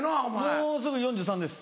もうすぐ４３です。